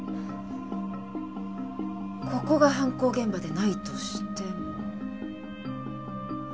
ここが犯行現場でないとしても。